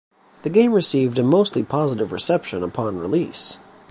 The game received a mostly positive reception upon release.